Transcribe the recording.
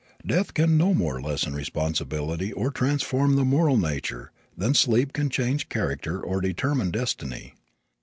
Death can no more lessen responsibility or transform the moral nature than sleep can change character or determine destiny.